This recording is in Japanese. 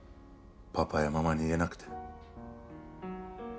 パパやママに言えなくて。